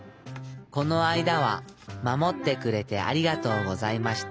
このあいだはまもってくれてありがとうございました。